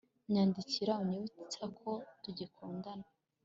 Nyandikira unyibutsa ko tugikundana